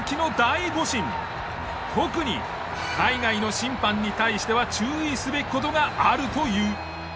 特に海外の審判に対しては注意すべき事があるという。